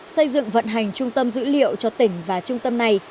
xây dựng vận hành trung tâm dữ liệu cho tỉnh và trung tâm này